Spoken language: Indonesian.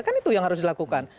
kan itu yang harus dilakukan